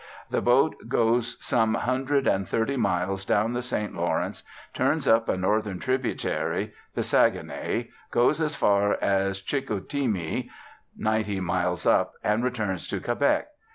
The boat goes some hundred and thirty miles down the St Lawrence, turns up a northern tributary, the Saguenay, goes as far as Chicoutimi, ninety miles up, and returns to Quebec.